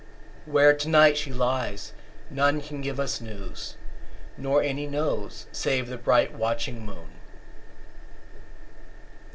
Where to night she lies none can give us news; Nor any knows, save the bright watching moon.